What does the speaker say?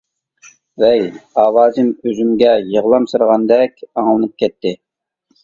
«ۋەي. » ئاۋازىم ئۆزۈمگە يىغلامسىرىغاندەك ئاڭلىنىپ كەتتى.